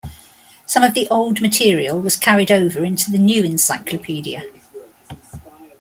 Some of the old material was carried over into the new encyclopedia.